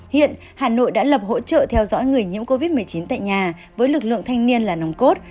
hiện hà nội đã lập hỗ trợ theo dõi người nhiễm covid một mươi chín tại nhà với lực lượng thanh niên là nồng cốt